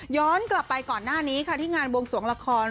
กลับไปก่อนหน้านี้ค่ะที่งานบวงสวงละคร